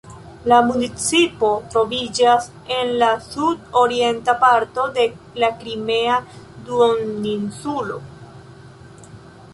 La municipo troviĝas en la sud-orienta parto de la Krimea duoninsulo.